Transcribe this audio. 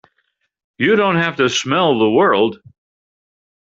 You don't have to smell the world!